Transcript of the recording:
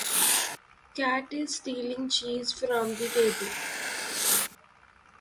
The cat is stealing cheese from the table.